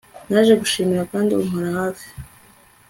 naje kugushimira, kandi umpora hafi